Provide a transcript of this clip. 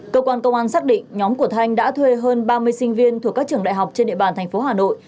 cơ quan công an xác định nhóm của thanh đã thuê hơn ba mươi sinh viên thuộc các trường đại học trên địa bàn tp hà nội